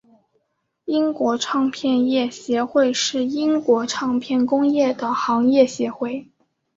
英国唱片业协会是英国唱片工业的行业协会。